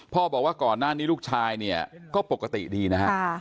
บอกว่าก่อนหน้านี้ลูกชายเนี่ยก็ปกติดีนะฮะ